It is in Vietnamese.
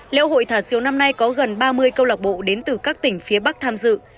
lễ hội thả diều năm nay có gần ba mươi câu lạc bộ đến từ các tỉnh phía bắc tham dự